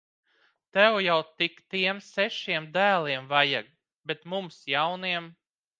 Tev jau tik tiem sešiem dēliem vajag! Bet mums jauniem.